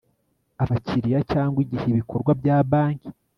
abakiliya cyangwa igihe ibikorwa bya banki